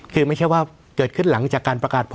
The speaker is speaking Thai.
คือไม่ใช่ว่าเกิดขึ้นหลังจากการประกาศผล